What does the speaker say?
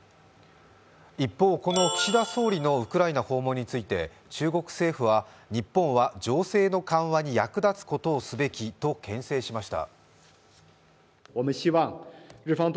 一方、この岸田総理のウクライナ訪問について中国政府は日本は情勢の緩和に役立つことをすべきとけん制しました。